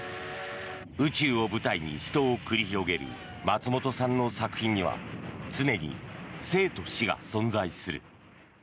宇宙を舞台に死闘を繰り広げる松本さんの作品には常に生と死が存在する。